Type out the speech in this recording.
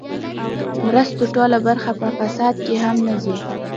مرستو ټوله برخه په فساد کې هم نه ځي.